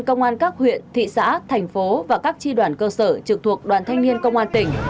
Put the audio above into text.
công an các huyện thị xã thành phố và các tri đoàn cơ sở trực thuộc đoàn thanh niên công an tỉnh